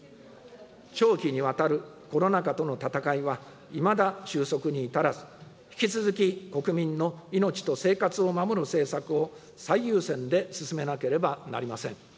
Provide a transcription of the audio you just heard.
長期にわたるコロナ禍との闘いは、いまだ収束に至らず、引き続き国民の命と生活を守る政策を最優先で進めなければなりません。